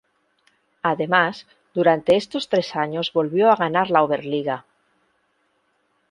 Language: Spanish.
Además durante estos tres años volvió a ganar la Oberliga.